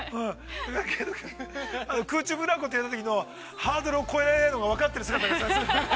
けど空中ブランコって言われたときの、ハードルを超えられないのが分かっている姿が。